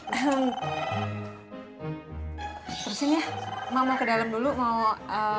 terusin ya emang mau ke dalem dulu mau ee